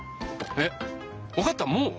えっわかったもう？